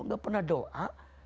tidak pernah doa